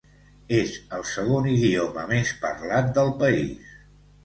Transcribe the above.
És el segon idioma més parlat del país.